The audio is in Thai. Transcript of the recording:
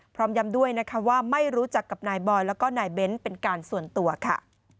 ยำด้วยนะคะว่าไม่รู้จักกับนายบอยแล้วก็นายเบ้นเป็นการส่วนตัวค่ะ